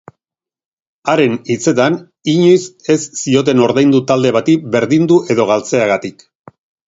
Haren hitzetan, inoiz ez zioten ordaindu talde bati berdindu edo galtzeagatik.